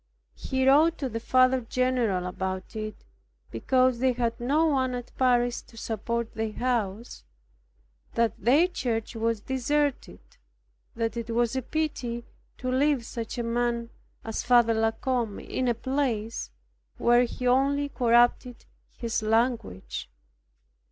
He wrote to the Father general about it, because they had no one at Paris to support their house, that their church was deserted; that it was a pity to leave such a man as Father La Combe in a place where he only corrupted his language.